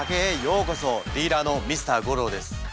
ディーラーのＭｒ．ゴローです。